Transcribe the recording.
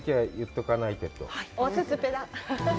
おススペだ。